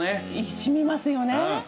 しみますよね。